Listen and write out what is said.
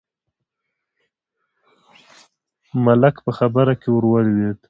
ملک په خبره کې ور ولوېد: